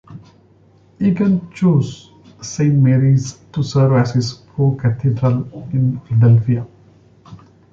Egan chose Saint Mary's to serve as his pro-cathedral in Philadelphia.